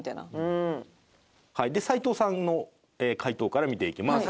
齊藤さんの回答から見ていきます。